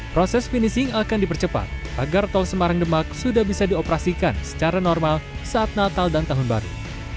proses finishing akan dipercepat agar tol semarang demak sudah bisa dioperasikan secara normal saat natal dan tahun baru